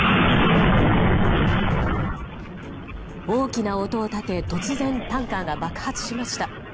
大きな音を立て突然タンカーが爆発しました。